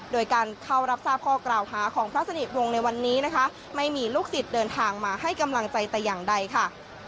โดยการเข้ารับทราบข้อกล่าวหาของพระสนิทวงศ์ในวันนี้นะคะไม่มีลูกศิษย์เดินทางมาให้กำลังใจแต่อย่างใดค่ะ